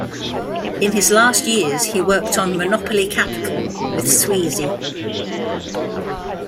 In his last years he worked on "Monopoly Capital" with Sweezy.